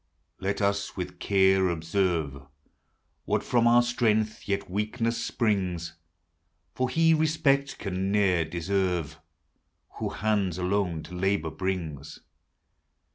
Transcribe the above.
Let us with care observe What from our strength, yet weakness, springs ; For he respect can ne'er deserve Who hands alone to labor brings.